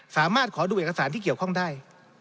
สามารถขอดูเอกสารที่เกี่ยวข้องได้